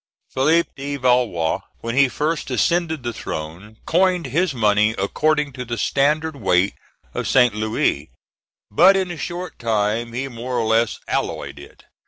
Philippe de Valois, when he first ascended the throne, coined his money according to the standard weight of St. Louis, but in a short time he more or less alloyed it.